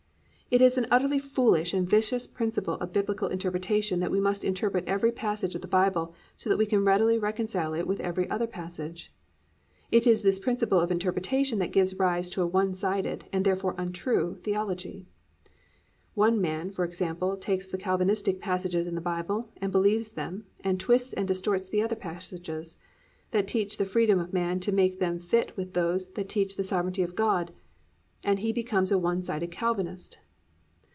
It is an utterly foolish and vicious principle of Biblical interpretation that we must interpret every passage of the Bible so that we can readily reconcile it with every other passage. It is this principle of interpretation that gives rise to a one sided, and therefore untrue, theology. One man, for example, takes the Calvinistic passages in the Bible and believes them and twists and distorts the other passages; that teach the freedom of man, to make them fit with those that teach the sovereignty of God, and he becomes a one sided Calvinist.